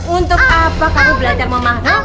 untuk apa kamu belajar memakna